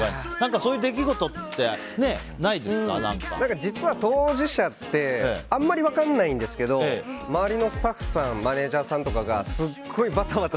そういう出来事って実は当事者ってあんまり分からないんですけど周りのスタッフさんマネジャーさんとかがすっごい、ばたばた